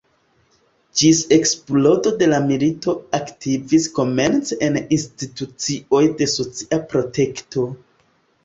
Ĝis eksplodo de la milito aktivis komence en institucioj de socia protekto.